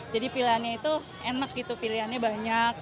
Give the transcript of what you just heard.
jadi pilihannya itu enak gitu pilihannya banyak